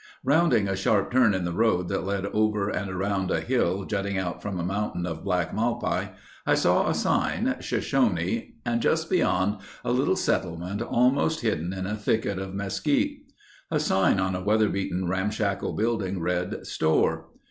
_ Rounding a sharp turn in the road that led over and around a hill jutting out from a mountain of black malpai, I saw a sign: "Shoshone" and just beyond, a little settlement almost hidden in a thicket of mesquite. A sign on a weather beaten ramshackle building read, "Store."